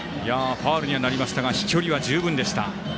ファウルにはなりましたが飛距離は十分でした。